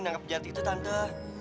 menangkap janti itu tante